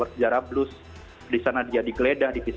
sejarah blus disana dia digeledah